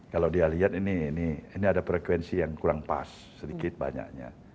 kalau dia lihat ini ada frekuensi yang kurang pas sedikit banyaknya